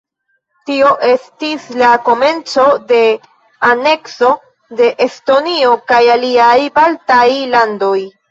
Tio estis la komenco de anekso de Estonio kaj aliaj Baltaj Landoj.